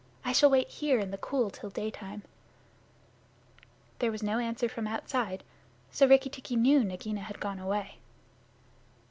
I shall wait here in the cool till daytime." There was no answer from outside, so Rikki tikki knew Nagaina had gone away.